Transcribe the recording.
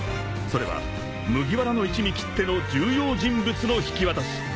［それは麦わらの一味きっての重要人物の引き渡し］